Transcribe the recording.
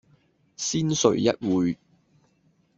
先睡一會